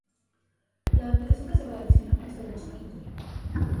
La aplicación que se va a diseñar consta de dos páginas web.